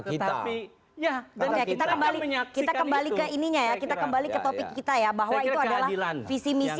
kita tapi ya dan kita kembali ke ininya ya kita kembali ke topik kita ya bahwa itu adalah visi